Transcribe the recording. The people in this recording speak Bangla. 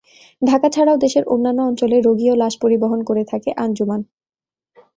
ঢাকা ছাড়াও দেশের অন্যান্য অঞ্চলে রোগী ও লাশ পরিবহন করে থাকে আঞ্জুমান।